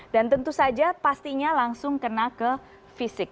dan tentu saja pastinya langsung kena ke fisik